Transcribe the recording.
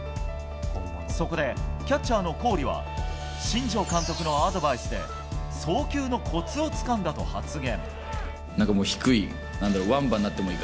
そこでキャッチャーの郡は新庄監督のアドバイスで送球のコツをつかんだと発言。